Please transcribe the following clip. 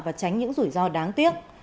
và tránh những rủi ro đáng tiếc